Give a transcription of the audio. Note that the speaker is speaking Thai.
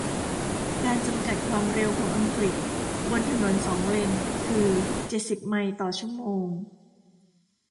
การ จำกัด ความเร็วของอังกฤษบนถนนสองเลนคือเจ็ดสิบไมล์ต่อชั่วโมง